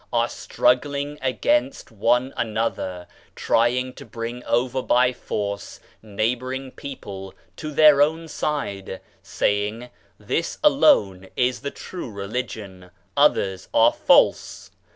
are struggling against one another, trying to bring over by force neighbouring people to their own side, saying: This alone is the true religion, others are false.